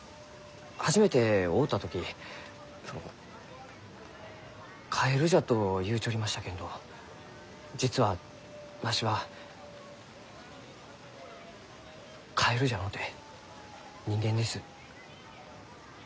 初めて会うた時その「カエルじゃ」と言うちょりましたけんど実はわしはカエルじゃのうて人間です。